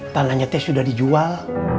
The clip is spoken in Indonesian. tanahnya teh sudah dijual